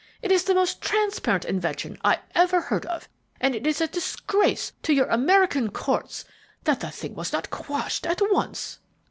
It is the most transparent invention I ever heard of, and it is a disgrace to your American courts that the thing was not quashed at once!"